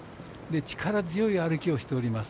力強い歩きをしています。